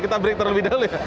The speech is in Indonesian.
kita break terlebih dahulu ya